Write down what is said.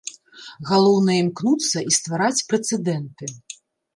Галоўнае імкнуцца і ствараць прэцэдэнты.